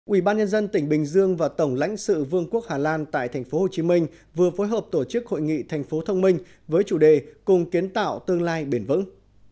ubnd tỉnh bình dương và tổng lãnh sự vương quốc hà lan tại tp hcm vừa phối hợp tổ chức hội nghị tp thông minh với chủ đề cùng kiến tạo tương lai bền vững